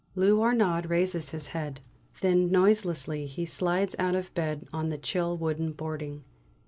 Lou Arnaud raises his head. Then noiselessly he slides out of bed on the chill wooden boarding.